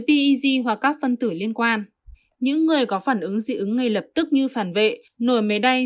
peg hoặc các phân tử liên quan những người có phản ứng dị ứng ngay lập tức như phản vệ nổi mế đay